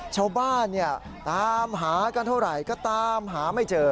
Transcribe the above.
ชาวบ้านเนี่ยตามหากันเท่าไหร่ก็ตามหาไม่เจอ